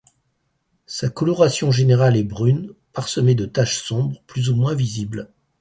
Sa coloration générale est brune, parsemée de taches sombres plus ou moins visibles.